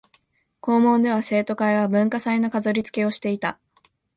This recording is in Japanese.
校門では生徒会が文化祭の飾りつけをしていた